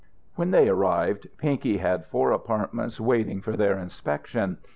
When they arrived, Pinky had four apartments waiting for their inspection.